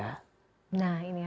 nah ini ada